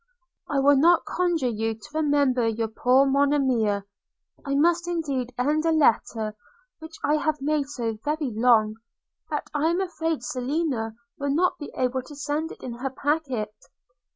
'I will not conjure you to remember your poor Monimia! I must indeed end a letter which I have made so very long, that I am afraid Selina will not be able to send it in her packet.